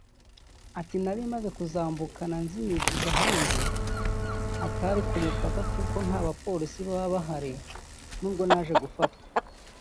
Ati “Nari maze kuzambukana nzinyujije ahandi hatari ku mupaka kuko nta bapolisi baba bahari nubwo naje gufatwa